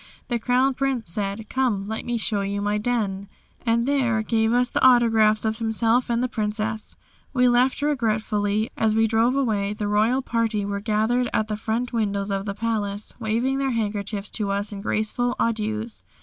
The Crown Prince said, "Come, let me show you my den," and there gave us the autographs of himself and the Princess. We left regretfully. As we drove away the royal party were gathered at the front windows of the palace waving their handkerchiefs to us in graceful adieus.